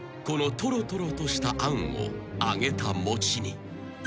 ［このとろとろとしたあんを揚げた餅に］